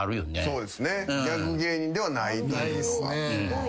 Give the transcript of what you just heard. そうですねギャグ芸人ではないというのが。